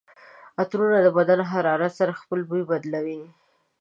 عطرونه د بدن حرارت سره خپل بوی بدلوي.